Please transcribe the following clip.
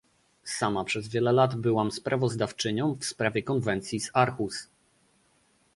Sama przez wiele lat byłam sprawozdawczynią w sprawie Konwencji z Aarhus